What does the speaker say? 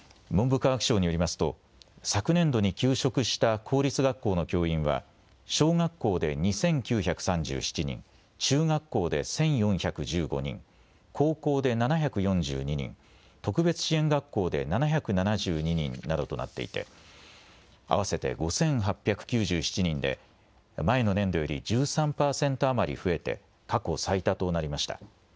文部科学省によりますと昨年度に休職した公立学校の教員は小学校で２９３７人、中学校で１４１５人、高校で７４２人、特別支援学校で７７２人などとなっていて合わせて５８９７人で前の年度より１３％余り増えて過去最多となりました。